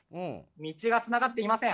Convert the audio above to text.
道がつながっていません。